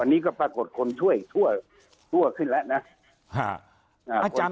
วันนี้ก็ปรากฏคนช่วยชั่วชั่วขึ้นแล้วนะฮะอาจารย์